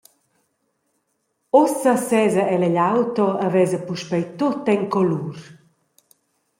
Ussa sesa ella egl auto e vesa puspei tut en colur.